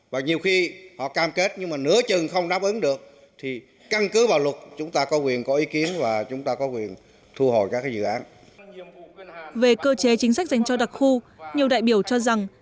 về cơ chế chính sách dành cho đặc khu nhiều đại biểu cho rằng